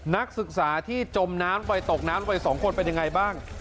นักศึกษาที่จมน้ำไปตกน้ำวัย๒คนเป็นยังไงบ้าง